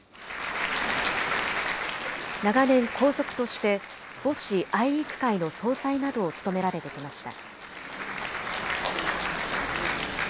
長年、皇族として、母子愛育会の総裁などを務められてきました。